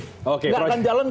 nggak akan jalan karena itu